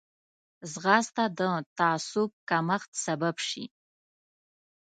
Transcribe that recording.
ځغاسته د تعصب کمښت سبب شي